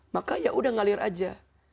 maka yaudah ngalir aja